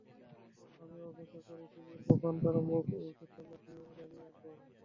আমিও অপেক্ষা করছি যে কখন তার মুখে এই পোস্টার লাগিয়ে আসবো!